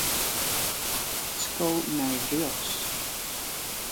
Sko nei rjochts.